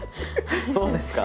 そうですか？